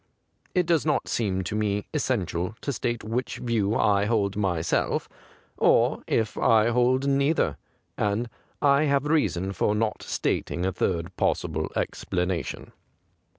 It does 166 THE GRAY CAT not seem to me essential to state which view I hold myself, or if I hold neither, and have reasons for not stating a third possible explanation.